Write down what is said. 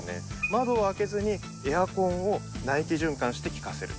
窓を開けずにエアコンを内気循環して効かせる。